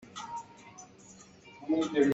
Vah na duh tuk.